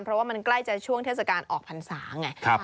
เพราะว่ามันใกล้จะช่วงเทศกาลออกพรรษาไง